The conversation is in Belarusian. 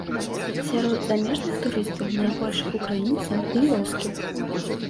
Сярод замежных турыстаў найбольш украінцаў і рускіх.